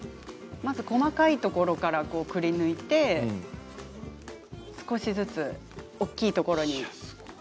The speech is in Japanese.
まず細かいところからくりぬいて少しずつ大きいところに。